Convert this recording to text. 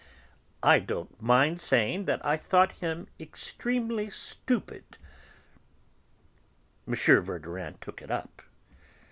"I don't mind saying that I thought him extremely stupid." M. Verdurin took it up.